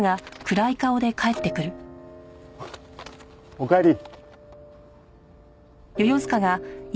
おかえり。